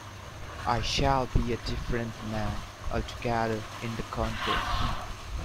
I shall be a different man altogether in the country.